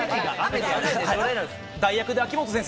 代役で秋元先生